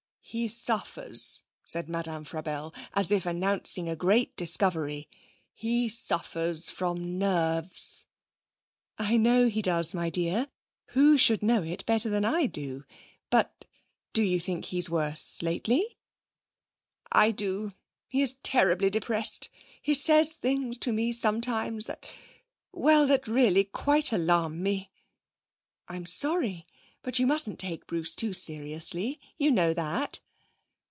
'He suffers,' said Madame Frabelle, as if announcing a great discovery,' he suffers from Nerves.' 'I know he does, my dear. Who should know it better than I do? But do you think he is worse lately?' 'I do. He is terribly depressed. He says things to me sometimes that well, that really quite alarm me.' 'I'm sorry. But you mustn't take Bruce too seriously, you know that.'